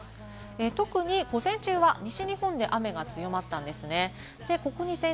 特に午前中は西日本で雨が強まったんですね。